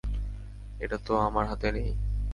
এটা তো আর আমার হাতে নেই।